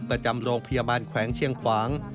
ประจำโรงพยาบาลแขวงเชียงขวาง